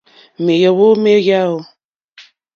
Mèóhwò mé yáò.